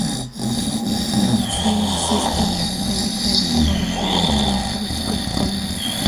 Conferencista en diferentes foros sobre temas políticos y económicos.